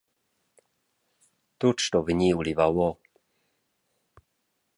Tut sto vegnir ulivau ora.